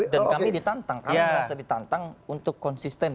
dan kami ditantang kami merasa ditantang untuk konsisten